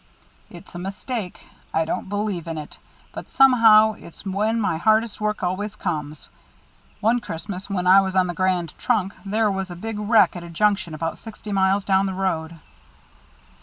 "It's a mistake. I don't believe in it, but somehow it's when my hardest work always comes. One Christmas, when I was on the Grand Trunk, there was a big wreck at a junction about sixty miles down the road."